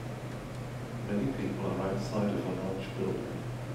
Many people are outside of a large building.